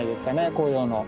紅葉の。